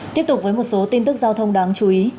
tiếp tục với một số tin tức giao thông đáng chú ý